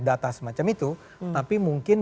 data semacam itu tapi mungkin